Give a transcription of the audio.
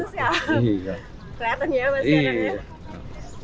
kelihatan ya pak sekarang ya